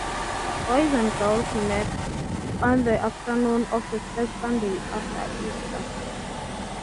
Boys and girls met on the afternoon of the first Sunday after Easter.